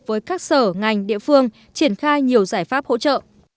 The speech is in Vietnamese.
với các sở ngành địa phương triển khai nhiều giải pháp hỗ trợ